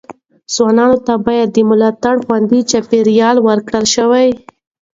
ځوانانو ته باید د ملاتړ خوندي چاپیریال ورکړل شي.